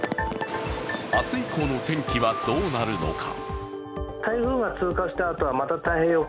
明日以降の天気はどうなるのか。